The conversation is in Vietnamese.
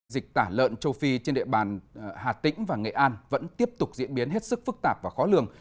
dịch tả lợn châu phi trên địa bàn hà tĩnh và nghệ an vẫn tiếp tục diễn biến hết sức phức tạp và khó lường